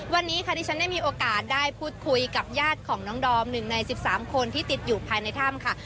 วันนี้ค่ะดิฉันได้มีโอกาสได้พูดคุยกับญาติของน้องดอม๑ใน๑๓คนที่ติดอยู่ภายในถ้ำค่ะ